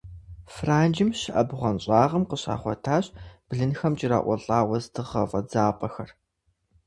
Франджым щыӀэ бгъуэнщӀагъым къыщагъуэтащ блынхэм кӀэрыӀулӀа уэздыгъэ фӀэдзапӀэхэр.